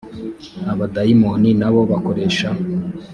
abadayimoni na bo bakoresha